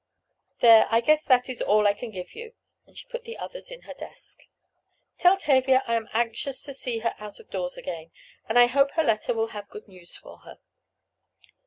"There, I guess that is all I can give you," and she put the others in her desk. "Tell Tavia I am anxious to see her out of doors again, and I hope her letter will have good news for her."